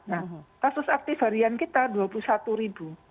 nah kasus aktif harian kita dua puluh satu ribu